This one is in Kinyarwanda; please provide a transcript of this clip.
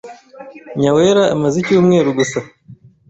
Nyawera amaze icyumweru gusa.